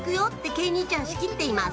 慶兄ちゃん仕切っています